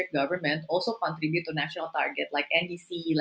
juga berkontribusi ke target nasional